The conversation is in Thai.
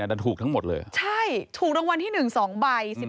ใช่ถูกรางวัลที่นึง๒ใบ